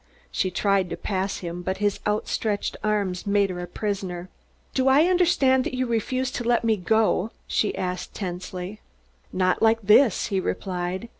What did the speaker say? She tried to pass him, but his outstretched arms made her a prisoner. "Do I understand that you refuse to let me go?" she asked tensely. "Not like this," he replied.